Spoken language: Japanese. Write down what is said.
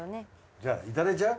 じゃあいただいちゃう？